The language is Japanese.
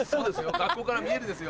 学校から見えるんですよ。